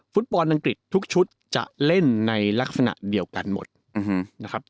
ฟุตบอลอังกฤษทุกชุดจะเล่นในลักษณะเดียวกันหมดนะครับ